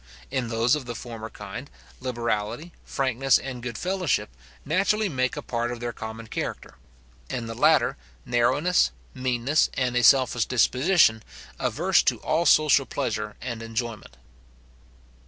In those of the former kind, liberality, frankness, and good fellowship, naturally make a part of their common character; in the latter, narrowness, meanness, and a selfish disposition, averse to all social pleasure and enjoyment.